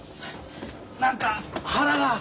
何か腹が。